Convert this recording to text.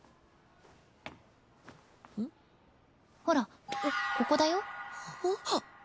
ほらここだよ。